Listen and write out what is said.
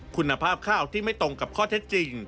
คุณภาพข้าวที่ไม่ตรงกับข้อเท็จจริง